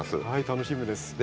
はい楽しみです。